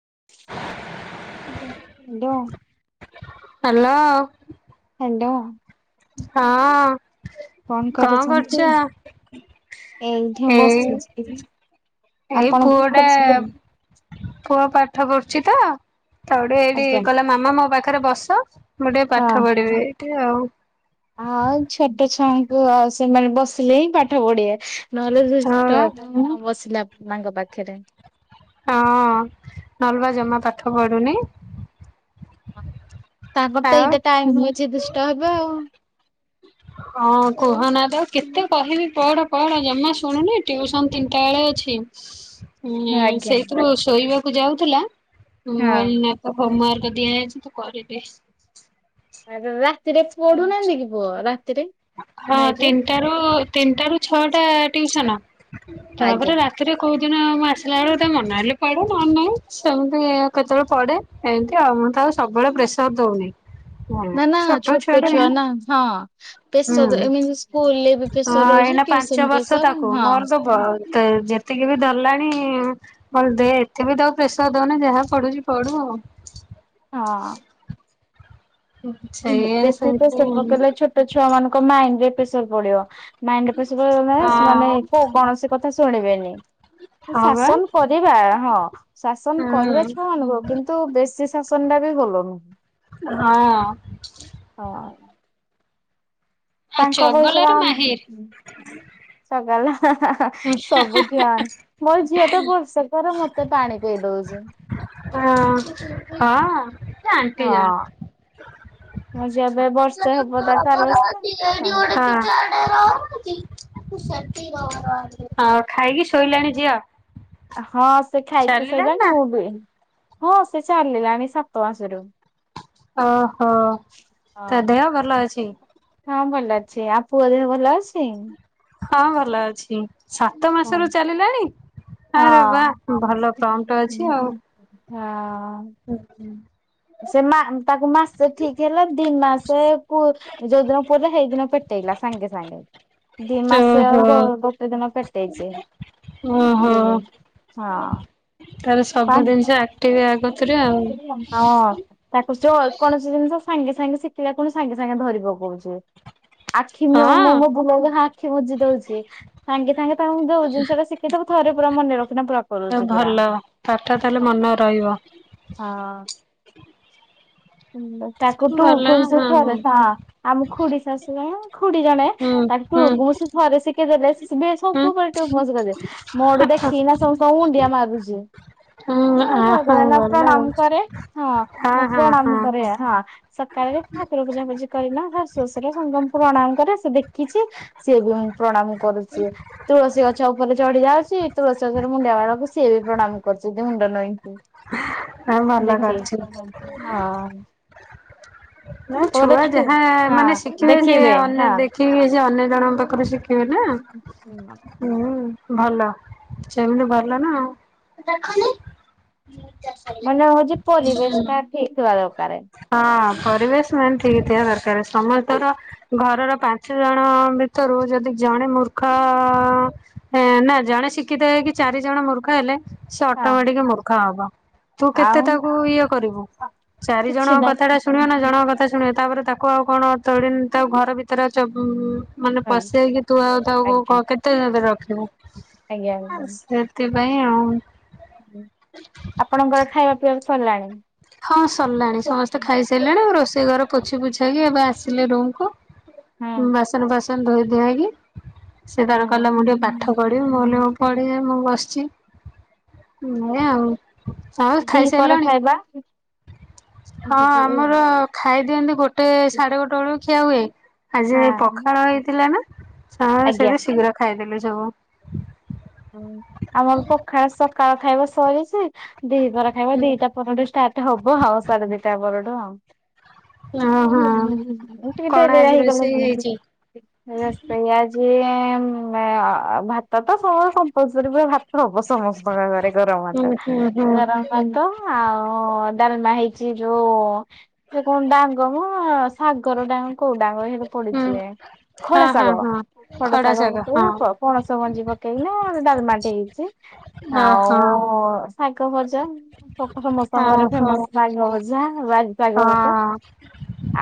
[inaudible] [unintelligible] Hello. Hello. ହଁ। କଣ କରୁଛନ୍ତି? ଏଇଠି ଏଇ ବସିଛି। ଏଇ ଆପଣ କଣ ପୁଅଟା କରୁଛନ୍ତି? ପୁଅ ପାଠ ପଢୁଛି ତ ତାକୁ ଏଇଠି ଆଜ୍ଞା କଲା ମାମା ମୋ ପାଖରେ ବସ। ମୁଁ ଟିକେ ପାଠ ହଁ ପଢିବି ଏଇଠି ଆଉ ଆଉ ଛୋଟ ଛୁଆଙ୍କୁ ଆଉ ସେମାନେ ବସିଲେ ହିଁ ପାଠ ପଢେ ନହେଲେ ହଁ ଦୁଷ୍ଟ ବା ହେବେ। ବସିଲା ମାଙ୍କ ପାଖରେ ହଁ ନହେଲେ ଜମା ପାଠ ପଢୁନି। ତାଙ୍କର ତ ଆଉ ଏଇତ ଟାଇମ୍ ହଉଛି ଦୁଷ୍ଟହେବେ ଆଉ ହଁ କୁହନା ତ କେତେ କହିବି ପଢ ପଢ ଜମା ଶୁଣୁନି ଟ୍ୟୁସନ୍ ତିନିଟା ବେଳେ ଅଛି। ଉଁ ଆଜ୍ଞା ସେଇଥିରୁ ଶୋଇବାକୁ ଯାଉଥିଲା। ହଁ ନା ତ ହୋମମାର୍କ ଦିଆଯାଇଛି ତୁ କରିଦେ ରାତିରେ ପଢୁନାହାନ୍ତି କି ପୁଅ ରାତିରେ ନାଇଯେ ତିନିଟା ରୁ ଛଅଟା ଟିସନ୍ ତାପରେ ଆଜ୍ଞା ରାତି ଏରେ କଉଦିନ ମୁଁ ଆସିଲା ବେଳକୁ ତ ମନ ହେଲେ ପଢେ ନହେଲେ ନାହିଁ। ସେମିତି କେତେବେଳେ ପଢ଼େ ଏମତି ଆଉ ମୁଁ ତ ଆଉ ସବୁବେଳେ ପ୍ରେସର ଦଉନି। ହୁଁ ନା ନା ଛୋ ଛୋଟ ଛୁଆ ନା ହଁ ହୁଁ ପ୍ରେସର ଏମିତି ସ୍କୁଲ୍ ରେ ପ୍ରେସର ହଁ ରହୁଛି ଏଇନା ଟିୟୁସନ ପାଞ୍ଚ ବର୍ଷ ତାକୁ ମୋର ତ ଯେତିକି ବି ଧରିଲାଣି ଦେ ଏତେ ବି ପ୍ରେସର ଦଉନି ଯାହା ପଢୁଛି ପଢୁ ଆଉ। ହଁ। ସେଇଆ ବେଶୀ ସେମିତି ପେସର ପକେଇଲେ ଛୋଟ ଛୁଆ ମାନଙ୍କ ମାଇଣ୍ଡି ରେ ପ୍ରେସର ପଡିବ ମାଇଣ୍ଡି ରେ ପ୍ରେସର ପଡିବ ହଁ ସେମାନଙ୍କୁ ଗ କଥା ଶୁଣିବେନି ହଁ ବା ଶାସନ କରିବା ହଁ ଶାସନ ହୁଁ କରିବା ଛୁଆମାନାନଙ୍କୁ କିନ୍ତୁ? ତୁ ବେଶୀ ଶାସନ ଟା ବି ଭଲ ନୁହଁ। ହଁ- ହଁ। ତାଙ୍କ ବୟସର ଚଗଲାରେ ଆମେ ମାହିର ଚଗଲା। ସବୁ ଛୋଆ ମୋ ଝିଅ ତ ବର୍ଷକ ର ମତେ ପାଣି ପିଆଇ ଦଉଛି। ହଁ ହଁ ହଁ ଆଣ୍ଟି ମୋ ଝିଅ ଯାଆନ୍ତି। ଏବେ ବର୍ଷେ ହବ ତାକୁ ଆର ଠି ବର୍ଷ [unintelligible] ହଁ ଖାଇକି ଶୋଇଲଣି ଝିଅ ହଁ ସେ ଖାଇକି ଚାଲିଲାଣି ଶୋଇଲାଣି ନା ମୁଁ ବି ହଁ ସେ ଚାଲିଲାଣି ସାତ ମାସରୁ ଓହୋ ତା ହଁ। ଦେହ ଭଲ ଅଛି। ହଁ ଭଲ ଅଛି ଆ ପୁଅଦିହ ଭଲ ଅଛି। ହଁ ଭଲ ଅଛି। ସାତ ହଁ। ମାସରୁ ଚାଲିଲାଣି ଆରେ ବା ହଁ ଭଲ ପ୍ରଣ୍ଟ ଅଛି ଆଉ ହଁ! ଆଛା [unintelligible] ସେ ମା ତାକୁ ମାସେ ଠିକ୍ ହେଲା ଦି ମାସେ କୁ ଯଉ ଦିନ ପୁରିଲା ସେଇ ଦିନ ପେଟେଇଲା ସାଙ୍ଗେ ସାଙ୍ଗେ ଦି ମାସ ଓହୋ ହବ ଗୋଟେ ଦିନ ଫେଟେଇଛି ଓହୋ ହଁ ତାହେଲେ ସବୁ ପାଣି ଜିନିଷ ତାକୁସ୍ୟ ଆକ୍ଟିଭ ଆ କତିରେ ଆଉ ଅକୌଣସି ଜିନିଷ ସାଙ୍ଗେ ସାଙ୍ଗେ ଶିଖିଲା ପୁଣି ସାଙ୍ଗେ ସାଙ୍ଗେ ଧରିବ କହୁଛି। ଆଖି ମୁଁ ମୁଁ ମୋ ହଁ ବୁଲେଇଲେ ଆଖି ବୁଜି ଦଉଛି। ସାଙ୍ଗେ ସାଙ୍ଗେ ତାଙ୍କୁ ଯଉ ଜିନିଷଟା ଶିଖେଇଥବୁ ଥରେ ପୁରା ମନେ ରଖି ପୁରା କରୁଛି ଭଲ ପୁରା। ପାଠ ତାହେଲେ ମନେ ରହିବ। ହଁ ତାକୁ ଭଲ ଟୁକୁ ମୁଶି ସେ ହଁ ହଁ ହୁଁ ଥରେ ତ ଆମ ଖୁଡି ଶାଶୁ ଏଁ ଖୁଡି ଜଣେ ତାକୁ ହୁଁ ଟୁକୁ ମୁଷି ଥରେ ଶିଖେଇ ଦେଲେ ବି ହୁଁ। ସବୁବେଳେ ଟୁକୁ ମୁସି କରେ। ମୋଠୁ ଦେଖିକିନା ସମସ୍ତଙ୍କୁ ମୁଣ୍ଡିଆ ମାରୁଛି। ହୁଁ ଆ ହଁ ହ ନା ଭଲ ଆଉ ପ୍ରଣାମ କରେ ହଁ ମ ହଁ ହଁ ପ୍ରଣାମ କରେ ହଁ। ସକାଳେ ଠାକୁର ପୂଜା ପୂଜି କରିନ ଶାଶୁ ଶଶୁର ସଙ୍ଗମକୁ ପ୍ରଣାମ କରେ ସେ ଦେଖିଛି। ସିଏ ବି ମୁଁ ପ୍ରଣାମ କରୁଛି ତୁଳସୀ ଗଛ ଉପରେ ଚଢି ଯାଉଛି ତୁଳସୀ ଗଛରେ ମାରେ କୁ ସିଏ ବି ପ୍ରଣାମ କରିଛନ୍ତି ମୁଣ୍ଡ ନଈକି। ଆଉ ଭଲ ଦେଖିଇ କରିଛି। ହଁ। ନା ତୋର ଛୁଆ ଅଛି ଯାହା ହଁ ମାନେ ଶିଖିବେ ସେ ଦେଖିବେ ଅନ୍ୟ ହଁ। ଦେଖିବେ ଯେ ଅନ୍ୟ ଜଣଙ୍କ ପାଖରେ ଶିଖେଇିବେ ନା। ହୁଁ ଭଲ ସେମିତି ଭଲ ନା ଆଉ। ହଁ ମାନେ ହଉଛି ପରିବେଶ ଟା ଠିକ ଥିବା ଦରକାରେ। ହଁ ପରିବେଶ ମାନେ ଠିକ ଥିବା ଦରକାର ହଁ ସମସ୍ତର ଘରର ପାଞ୍ଚ ଜଣ ଭିତରୁ ଯଦି ଜଣେ ମୂର୍ଖ ଅ ଏ ନା ଜଣେ ଶିକ୍ଷିତ ହେଇକ କି ଚାରି ଜଣ ମୂର୍ଖ ହେଲେ ସେ ଅଟୋମେଟିକ ମୂର୍ଖା ହବ ତୁ କେତେ ଆଉ ତାକୁ ଇଏ କରିବୁ ଚାରି କିଛି ଜଣଙ୍କ କଥା ଟା ନାହିଁ ଶୁଣିବ ନା ଜଣଙ୍କ କଥା ଶୁଣିବ ତାପରେ ତାକୁ ଆଉ କଣ ତଡି ତା ଘର ଭିତରେ ଅଛ ଉ ମାନେ ହଁ ପଶେଇକି ତୁ ଆଉ ତାକୁ ଆଜ୍ଞା କେତେ ରଖିବୁ ଆଜ୍ଞା ଆଜ୍ଞା। ସେ ସେଥିପାଇଁ ଆଉ। ଆପଣଙ୍କର ଖାଇବା ପିଇବା ସରିଲାଣି? ହଁ ସରିଲାଣି ସମସ୍ତେ ଖାଇସାରିଲେଣି ଆ ରୋଷେଇ ଘର ପୋଛି ପୋଛା କି ଏବେ ଆସିଲେ ରୁମକୁୁ ବାସନ ବାସନ ଧୋଇ ଦିଆକି ସେ ତାର ହଁ କହିଲା ମୁଁ ଟିକେ ପାଠ ପଢ଼ିବି ମୁଁ ହଁ। କଇଲି ପଢେ ମୁଁ ବସିଛି। ନାଏ ଆଉ ଆଉ ଖାଇସାରିଲଣି? ବା ହଁ ଆମର ଖାଇ ଦିଅନ୍ତି ଗୋଟେ ସାଢ଼େ ଗୋଟେ ବେଳକୁ ଖିଆ ହୁଏ। ଆଜି ପଖାଳ ହେଇଥିଲା ନା ସମ ସେ ଆଜ୍ଞା। ଶୀଘ୍ର ଖାଇଦେଥିଲୁ ସବୁ। ଆମର ପଖାଳ ସକାଳ ଖାଇବ ସରିଛି ଦିପରା ଖାଇବ ଦିଟା ପନ୍ଦର ଷ୍ଟାର୍ଟ। ଟ ହବ ଆଉ ସାଢେ ଦିଟା ପରଠୁ ଆଉ। ଓହୋ ହଁ କଣ ଟଟବେଆ ଆଜି ଗଲା ରୋଷେଇ ହେଇଛି? [unintelligible] ରୋଷେଇଆ [unintelligible] ଯେ ଭାତ ତ ସମସ୍ତ ସରି ସରି ପୁର ଭାତ ହବ ସମସ୍ତଙ୍କ ଘରେ ଗରମ ହୁଁ ଭାତ ହୁଁ ହୁଁ ଗରମ ଭାତ ଆଉ ଡାଲମା ହେଇଛି ଯୋଉ ସେ କଣ ଡାଙ୍ଗମ ସାଗର ଡାଙ୍ଗ କୋଉ ଡାଙ୍ଗ ହେଇଟି ହୁଁ ପଡୁଛି ହେଁ ହଁ ଖଡା ହଁ ଶାଗ। ହଁ ଖଡ ଖଡା ଶାଗ ହଁ। ପକେଇ ପଣସ ମଞ୍ଜି ପକେଇକି ନା ଡାଲମାଟି ହେଇଛି। ଓହୋ ଆଉ ଶାଗ ଭଜା। [inaudible] ସମସ୍ତଙ୍କ ଘରେ ଓହୋ ଫେମସ ସାଗ ଭଜା ବାଗ ଭଜା।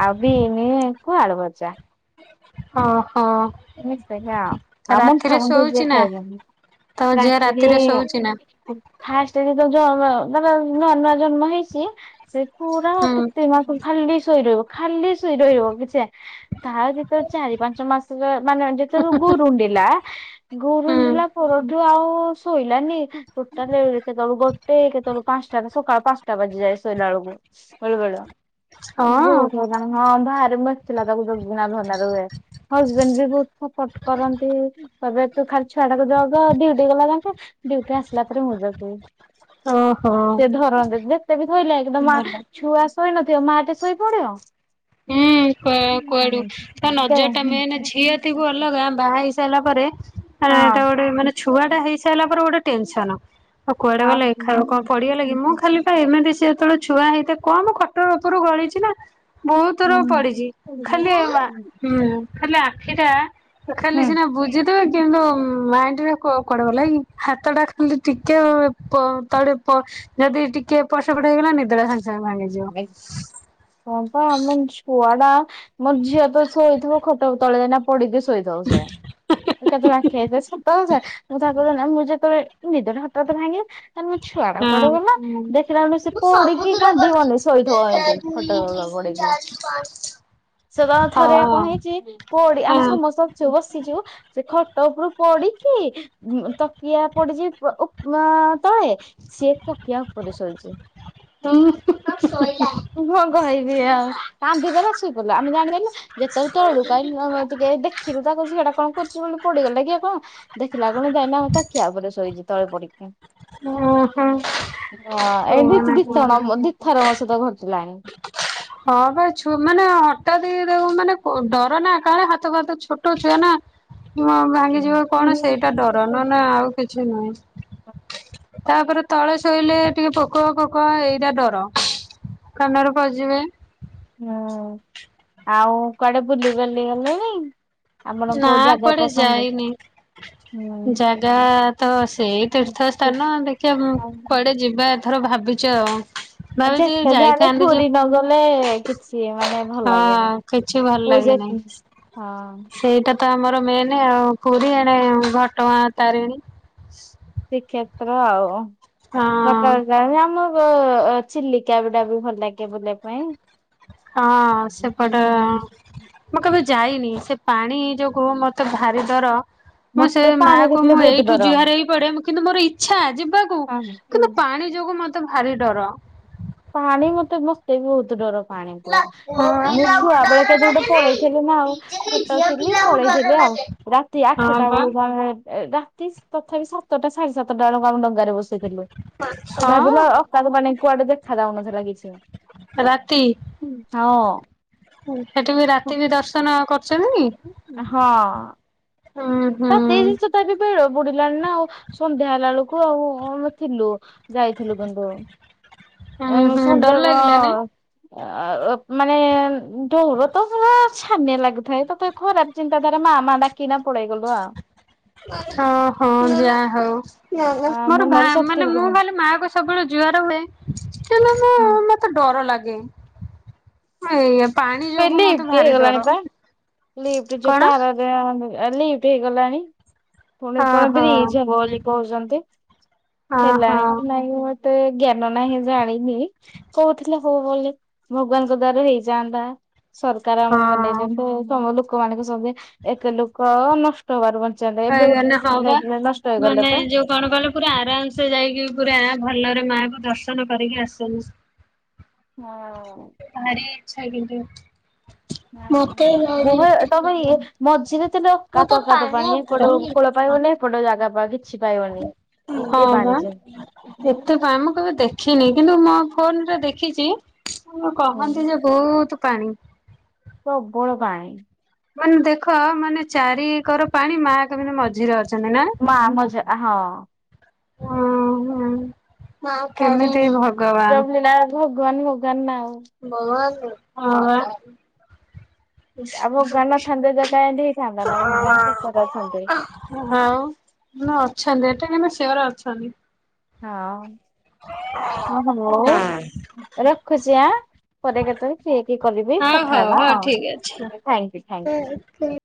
ଆଉ ବିନ କୁ ଆଳୁ ଭଜା। ହୋ ହୋ। ନିା ଆଉ ମୁଣ୍ଠାମଣ୍ଠି ଯିଏ ଶୋଉଛି ନା? ଖାଇବେନି ତୋ ଝିଅ ରାତିରେ ଶୋଉଛି ନା? [unintelligible] ଫାଷ୍ଟ ଯଦି ତ ଯବ ନୂଆ ନୂଆ ଜନ୍ମ ହେଇଛି ସେ ପୁରା ଆ ହୁଁ କେତେ ମାସ ଖାଲି ଶୋଇ ରିହିବ। ଖାଲି ଶୋଇ ରହିବ କିଛି ତା ଯେ ତ ଚାରି ପାଞ୍ଚ ମାସ ମାନେ ଯେତେ ରୋଗ ରୁଣ୍ଡିଲା ହୁଁ ଗୋରୁଣ୍ଡିଲା ପରଠୁ ଆଉ ଶୋଇଲାନି ଟୋଟାଲ କେତେବେଳକୁ ଟ କେତେବେଳେକୁ ପାଞ୍ଚଟା ନା ସକାଳ ପାଞ୍ଚଟା ବାଜି ଯାଏ ଶୋଇଲା ବେଳକୁ ବେଳୁ ବେଳୁ ବହୁ ହଁ ହଁ ବାହାରେ ବସିଥିଲା ତାକୁ ଜଗିକିନ ଧରିକିନା ରୂହେ। ହଜବେଣ୍ଡ ବି ବହୁତ ସପୋର୍ଟ କରନ୍ତି କହିବେ ତୁ ଖାଲି ଛୁଆଟାକୁ ଯଗ ଡିଉଟି ଗଲା ତାଙ୍କୁ ଡ଼ିଉଟି ଆସିଲା ପରେ ମୁଁ ଯବ ଓହୋ ସେ ଧରନ୍ତି ଯେତେ ବି ଧରଲେ ଏକଦ ମା ଭଲ। ଛୁଆ ଶୋଇ ନଥିବ ମା ଟେ ଶୋଇପଡିବ ହୁଁ କୁଆଡୁ ତ ଦେ ନଜର ଟା ମେ ଝିଅ ଥିବ ଅଲଗା ବାହା ହେଇ ସାରିଲା ପରେ ଟା ହଁ ଗୋଟେ ମାନେ ଛୁଆ ଟା ହେଇ ସାରିଲା ପରେ ଗୋଟେ ଟେନସନ। ଆଉ କୁଆଡେ ଆଉ ଗଲକି ହୁଁ। ଖାଇବା କଣ ପଢିଗଲା କି ମୁଁ ଖାଲି ଏମିତି ସେ ଯେତେବେଳେ ଛୁଆ ହେଇଥାଏ କଣ ମୁ ଖଟର ଉପରୁ ଗଳିଛି ନା ବହୁତର ପଡିଛି ଖାଲି ହୁଁ ଖାଲି ଆଖିଟା ତ ଖାଲି ହୁଁ ସିନା ବୁଜି ଦେବେ କିନ୍ତୁ ମାଇଣ୍ଡ ରେ କୁଆଡ଼େ ଗଲା କି ହାତ ଟା ଖାଲି ଟିକେ ତ ତଳେ ଯଦି ଟିକେ ଏପଟେ ସେପଟ ହେଇଗଲା ନିଦଟା ସଙ୍ଗେ ସଙ୍ଗେ ଭାଙ୍ଗିଯିବ କଣ କଣ ଆମ ଛୁଆ ଟା ମୋର ଝିଅ ତ ଶୋଇଥିବ ଖଟ ତଳେ ଦ ପଡିକି ଶୋଇଥିବ ସେ କେତେଳେ ଆଖ ସତ କଥା ବ ନା ମୁଁ ଯେତେବେଳେ ନିଦଟା ହାତାତ ଭାଙ୍ଗେ ଆରେ ମୋ ଛୁଆ ଟା କୁଆଡ଼େ ହଁ ଗଲା ଦେଖିଲା ବେଳେ କୁ ସେ ମୁଁ ପଡିକି ସବୁଥର କାନ୍ଦୁ କରିଛି ବନି ଶୋଇଥିବ ଏକା ଏମିତି ଖଟ ଦୁଇ ଉପରେ ତିନି ପଡିକି ଚାରି ପାଞ୍ଚ ସେ ତ ଥରେ ହଁ କଣ ହେଇଛି ପଡି ଆମେ ହଁ ସମସ୍ତ ବସିଛୁ ସେ ଖଟ ଉପରୁ ପଡିକି ତକିଆ ପଡିଛି ତଳେ ସିଏ ତକିଆ ଉପରେ ଶୋଇଛି। ହୁଁ ହୁ ହୁ ମୁ କଣ କହିବି ଆଉ କାନ୍ଦି ଦେବା ଶୋଇପଡ଼ିଲା ଆମେ ଜାଣିପାରଲୁ ଯେତେବେଳେ ତଳୁ କାଁ ଟିକେ ଦେଖିଲୁ ତାକୁ ଝିଅଟା କଣ କରୁଛି ବୋଲି ପଡିଗଲା କି କଣ ଦେଖିଲା କଣ ଯାଇଏନା ତଖିଆ ଉପରେ ଶୋଇଛି ତଳେ ପଡିକି। ହଁ ଓହୋ ଏଠି କୁହନା ଦି ତଣ କୁହନା। ଦିଥର ମୋ ସହ ଘଟିଲାଣି ହଁ ବା ମାନେ ହଠାତ ମାନେ ଡର ନା କାଳେ ହାତ ଫାତ ଛୋଟ ଛୁଆ ନା ଭାଙ୍ଗିଯିବ କି କଣ ହୁଁ ସେଇଟା ଡର ନା ହନେ ଆଉ କିଛି ନାହିଁ। ତାପରେ ତଳେ ଶୋଇଲେ ଟିକେ ପୋକ ପୋକ ଏଇଟା ଡର କାନରେ ପଇ ଯିବେ। ହୁଁ ଆଉ କୁଆଡେ ବୁଲି ବାଲି ଗଲେଣି। ଆପଣ ନା କୋଉ ଜାଗା କୁଆଡ଼େ ପସନ୍ଦ ଯାଇନି ହୁଁ। ଜାଗା ତ ସେଇ ତୀର୍ଥ ସ୍ଥାନ ଦେଖିବା କୁଆଡେ ଯିବା। ଥର ଭାବିଛ ଆଉ ଆଉ ଭାବିଛି ଯେତେ ଯାଲେ ଯାଇଥାନ୍ତି ଯେ ପୁରୀ ନ ଗଲେ କିଛି ମାନେ ଭଲ ଲାଗିବନି। ହଁ କିଛି ଭଲ ଲାଗିବ ନାହିଁ। ହଁ ସେଇଟା ତ ଆମର ମେନ ଆଉ ପୁରୀ ଏଣେ ଘଟଗାଁ ତାରିଣୀ। ଶ୍ରୀକ୍ଷେତ୍ର ହଁ। ଆଉ। ଆମ ଚିଲିକା ପାଟେ ବି ଭଲ ଲାଗେ ବୁଲିବା ପାଇଁ। ହଁ ସେପଟ ହୁଁ ମୁଁ କେବେ ଯାଇନି ସେ ପାଣି ଯୋଗୁ ମତେ ଭାରି ଡର ମୁଁ ସେ ମତେ ମା ପାଣି କୁ ଦେଖିଲେ ମୁଁ ବହୁତ ଏଇଠୁ ଡର ଯୁହାର ହେଇ ପଡେ କିନ୍ତୁ ମୋର ଇଚ୍ଛା ଯିବାକୁ ପାଣି କିନ୍ତୁ ପାଣି ଯୋଗୁ ମତେ ଭାରି ଡର ପାଣି ମତେ ମତେ ବି ବହୁତ ଡର। ପାଣିକୁ ପୁଅ ମୁଁ ପିଲାକୁ ଛୁଆ ବେଜେ ଡର କେଦି ଗୋଟେ ଲାଗେ ନାଇଁ ପଳେଇଥିଲି ନା ଆଉ, ନିଜେ ଛୋଟ ଝିଅ ଥିଲି ପିଲାକୁ ଡର ପଳେଇଥିଲି ଆଉ। ଲାଗେ। ରାତି ଆଠଟା ହଁ ବା ବେଳୁ ଆମେ ରାତି ତଥାପି ସାତଟା ସାଢେ ସାତଟା ବେଳକୁ ଆମେ ଡଙ୍ଗାରେ ବସେଇଥିଲୁ। ହଁ ଭାବିଲୁ ଅକାତ ପାଣି କୁଆଡେ ଦେଖ ଦେଖାଉନଥିଲା କିଛି। ରାତି। ହଁ। ସେଠ ବି ରାତି ବି ଦର୍ଶନ କରୁଛନ୍ତି? ହଁ ହୁଁ ରାତି ଜିନିଷ ତା ବି ବୁଡିଲାଣି ନା ଆଉ ସନ୍ଧ୍ୟା ହେଲା ବେଳକୁ ଆଉ ଆମେ ଥିଲୁ। ଯାଇଥିଲୁ କିନ୍ତୁ ଏ ଉୁଁ ହୁଁ ଡର ସନ୍ଧ୍ୟା ଲାଗିଲାନି? ଆଉ ମାନେ ଡୋର ତ ପୁରା ଛାନିଆ ଲାଗୁଥାଏ, ତତେ ଖରାପ ଚିନ୍ତାଧାରା ମା ମା ଡାକିନା ପଳେଇଗ [unintelligible] ହଁ ହଁ ଯାହା ହଉ, ଆ ମୋର ମନରେ ଶକ୍ତି ମାନେ ମୁଁ ପକଉଚି କହଲି ମା ଗ ସବୁବେଳେ ଜୁଆର ହୁଏ, ସେଲେ ହଁ ମତେ ଡର ଲାଗେ। ଏଇଆ ପାଣି ଯୋଗୁ ମତେ ଲିଫ୍ଟ ଭାରି ହେଇଗଲାଣି ଡର। ପା ଲିପ୍ଟ ଯୋଉ କଣ ତାର ଲିଫ୍ଟ ହେଇଗଲାଣି। ପୁଣି କଣ ଓହୋ ବ୍ରିଜ ହବ ବୋଲି କହୁଛନ୍ତି, ଓହୋ ହେଲାଣି କି ନାଇଁ ଏତେ ଜ୍ଞାନ ନାହିଁ ଜାଣିନି କହୁଥିଲେ ହବା ବୋଲି, ଭଗବାନ ଦ୍ୱାରା ହେଇଯାଆନ୍ତା ସରକାର ଆମର ହଁ। ବନେଦିଇନ୍ତୁ ତମ ଲୋକମାନଙ୍କୁ ସବୁ ଏତେ ଲୋକ ନଷ୍ଟ ହବାରୁ ବଞ୍ଚନ୍ତେ ଏବେ ଗୋଟେ ମାନେ ହଁ ପିଲା ବା ଟିଏ ନଷ୍ଟ ମାନେ ହେଇଗଲା ପା। ଯୋଉ କଣ କହିଲ ପୁରା ଆରାମ ସେ ଯାଇକି ପୁରା ଭଲରେ ମା କୁ ଦର୍ଶନ କରିକି ଆସନି। ହଁ। ଭାରି ଇଚ୍ଛା କିନ୍ତୁ। ମତେ [inaudible] ଭାରି ବହ ଇଚ୍ଛା ତମେ ଇ ଲାଗିଲାଣି ମଝିରେ ତଲେ ମତେ ଅକାତ ଅକାତ ପାଣିଆ ପାଣି ଏପଟ ଭାରି କୋଳ [inaudible] ଇଚ୍ଛା। ପାଇବନି ଏପଟେ ଜାଗା ପା କିଛି ପାଇବନି, ଏତେ ହଁ ବା ପାଣିଯେ। ଏତେ ଫାମକୁ ଦେଖିନି, କିନ୍ତୁ ମୋ ଫୋନରେ ଦେଖିଛି ହୁଁ କହନ୍ତି ଯେ ବୋହୁତ୍ ପାଣି। ପ୍ରବଳ ପାଣି। ମାନେ ଦେଖ ମାନେ ଚାରିିକର ପାଣି ମା ମା କେମିତି ମଝିରେ ଅଛନ୍ତି ନା? ମା [unintelligible] ହଁ। ହୁଁ ହଁ କେମିତି ଭଲ [unintelligible] ଭଗବାନ ଭଗବାନ ନା ଆଉ [unintelligible] ଆଉ [unintelligible] ଭଗବାନ ନଥାନ୍ତେ ତ କାଇଁ ହଉ ଏମିତି ହେଇଥାନ୍ତା ନା ମେ ଭଗବାନ ସତରେ ଅଛନ୍ତି ଏଟା କେମ ସିୟର ଅଛନ୍ତି। [unintelligible] ରଖୁଛି ଆ ପରେ କେତେବେଳେ ଫିର୍ ହେଇକି କରିବି ହଁ କଥା ହଉ ହେବା ହଉ ଆଉ। ଥାୟୁଙ୍କୁ ଥାୟୁଙ୍କୁ। ହୁଁ।